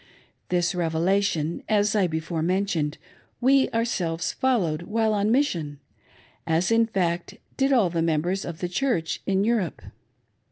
This rev^ation, as I before mentioned, we ourselves followed while on mission, as, in f^ct, did all the members of the Church in Jwrepe.